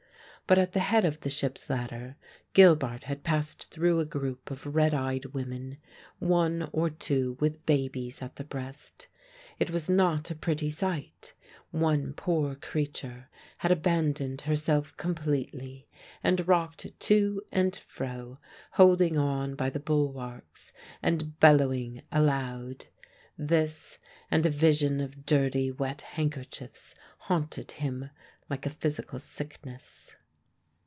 But at the head of the ship's ladder Gilbart had passed through a group of red eyed women, one or two with babies at the breast. It was not a pretty sight: one poor creature had abandoned herself completely, and rocked to and fro holding on by the bulwarks and bellowing aloud. This and a vision of dirty wet handkerchiefs haunted him like a physical sickness.